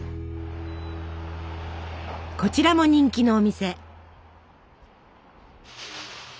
こちらも人気のお店。